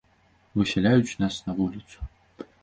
Высяляюць нас на вуліцу.